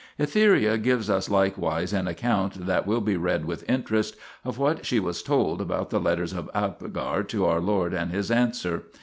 Etheria gives us likewise an account that will be read with interest of what she was told about the letters of Abgar to our Lord and His answer.